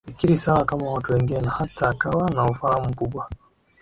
fikiri sawa kama watu wengine na hata akawa na ufahamu mkubwa